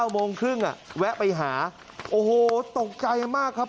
โมงครึ่งแวะไปหาโอ้โหตกใจมากครับ